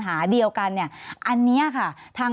สวัสดีครับทุกคน